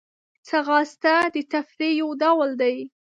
ځغاسته د تفریح یو ډول دی